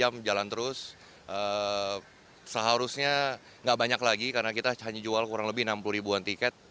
mas marshall sejauh ini